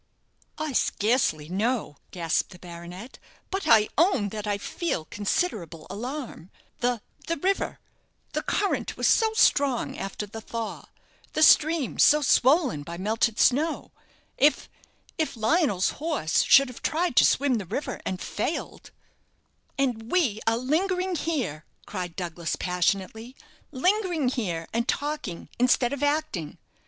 "I scarcely know," gasped the baronet; "but I own that I feel considerable alarm the the river the current was so strong after the thaw the stream so swollen by melted snow. If if Lionel's horse should have tried to swim the river and failed " "And we are lingering here!" cried Douglas, passionately; "lingering here and talking, instead of acting!